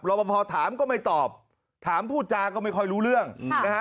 ประพอถามก็ไม่ตอบถามพูดจาก็ไม่ค่อยรู้เรื่องนะฮะ